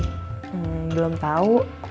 hmm belum tau